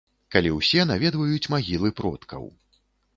Калі ўсе наведваюць магілы продкаў.